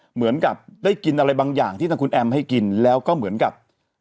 เหมือนกับได้กินอะไรบางอย่างที่ทางคุณแอมให้กินแล้วก็เหมือนกับ